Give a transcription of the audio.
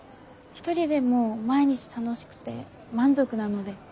一人でも毎日楽しくて満足なので。